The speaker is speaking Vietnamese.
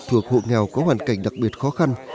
thuộc hộ nghèo có hoàn cảnh đặc biệt khó khăn